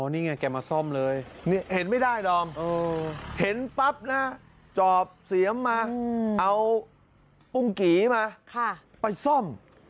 นี่ไงแกมาซ่อมเลยเห็นไม่ได้ดอมเห็นปั๊บนะจอบเสียมมาเอาอุ้งกีมาไปซ่อม